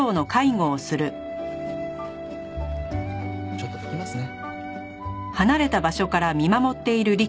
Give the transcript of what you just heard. ちょっと拭きますね。